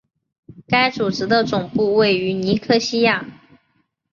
该组织的总部位于尼科西亚。